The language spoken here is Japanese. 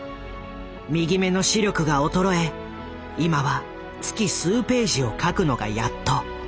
右目の視力が衰え今は月数ページを描くのがやっと。